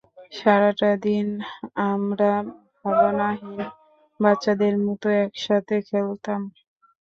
সারাটা দিন আমরা ভাবনাহীন বাচ্চাদের মতো একসাথে খেলতাম।